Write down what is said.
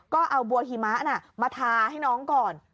ก็เอาบัวหิมะมาทาให้น้องก่อน